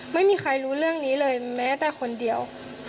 ไม่มีใครรู้เรื่องนี้เลยแม้แต่คนเดียว